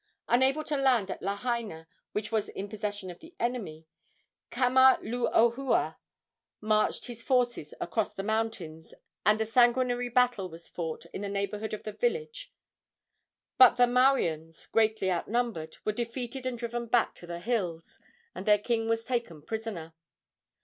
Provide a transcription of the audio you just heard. Unable to land at Lahaina, which was in possession of the enemy, Kamaluohua marched his forces across the mountains, and a sanguinary battle was fought in the neighborhood of the village. But the Mauians, greatly outnumbered, were defeated and driven back to the hills, and their king was taken prisoner.